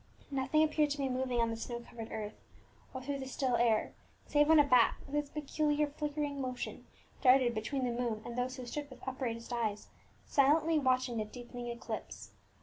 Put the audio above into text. Nothing appeared to be moving on the snow covered earth, or through the still air, save when a bat, with its peculiar flickering motion, darted between the moon and those who stood with upraised eyes, silently watching the deepening eclipse.